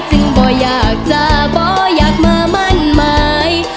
จึงบ่อย่ากจ้ะบ่อยอยากมามั่นหมาย